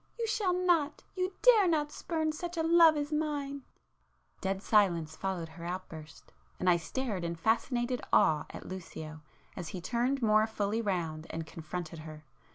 You shall not,—you dare not spurn such a love as mine!" [p 363]Dead silence followed her outburst,—and I stared in fascinated awe at Lucio as he turned more fully round and confronted her.